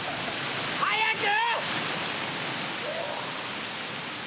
早く！